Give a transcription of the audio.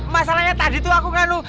masalahnya tadi tuh aku ngeluh